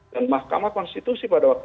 dan mahkamah konstitusi